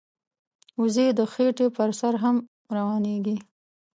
وزې د خټې پر سر هم روانېږي